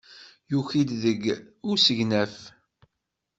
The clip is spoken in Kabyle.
Yuki-d deg usegnaf.